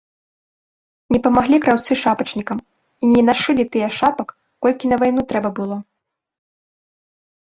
Не памаглі краўцы шапачнікам і не нашылі тыя шапак, колькі на вайну трэба было.